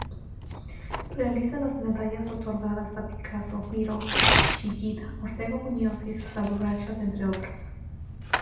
Realiza las medallas otorgadas a Picasso, Miró, Chillida, Ortega Muñoz y Subirachs entre otros.